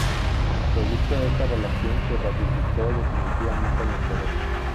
Producto de esta relación, se radicó definitivamente en La Serena.